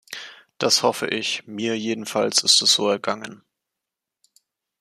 Das hoffe ich, mir jedenfalls ist es so ergangen.